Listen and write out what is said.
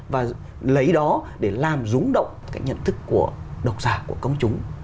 và lấy đó để làm rúng động cái nhận thức của độc giả của công chúng